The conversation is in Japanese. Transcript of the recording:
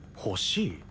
欲しい？